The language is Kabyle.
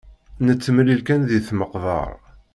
Nettemlil kan di tmeqbar.